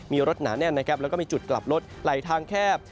มีรถหนาแน่นและมีจุดกลับรถไหลทางแคบ